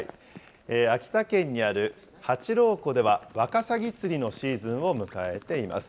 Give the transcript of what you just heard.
秋田県にある八郎湖では、ワカサギ釣りのシーズンを迎えています。